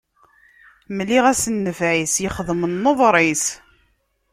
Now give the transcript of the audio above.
Mliɣ-as nnfeɛ-is, ixdem nneḍṛ-is.